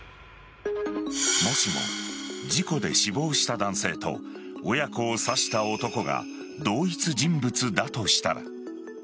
もしも事故で死亡した男性と親子を刺した男が同一人物だとしたら。